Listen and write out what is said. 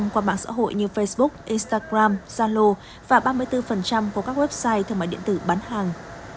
năm mươi năm qua mạng xã hội như facebook instagram zalo và ba mươi bốn của các website thương mại điện tử bán hàng